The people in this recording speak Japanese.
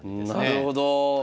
なるほど。